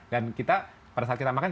dan kita pada saat kita makan